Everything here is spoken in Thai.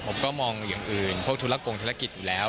ผมก็มองอย่างอื่นพวกธุรกงธุรกิจอยู่แล้ว